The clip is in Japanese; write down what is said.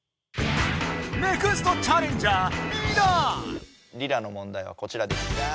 ネクストチャレンジャーリラのもんだいはこちらです。